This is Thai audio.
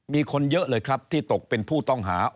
มีคนเยอะเลยครับที่ตกเป็นผู้ต้องหา